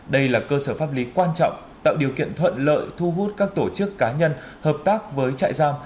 đây là cơ sở pháp lý quan trọng tạo điều kiện thuận lợi thu hút các tổ chức cá nhân hợp tác với trại giam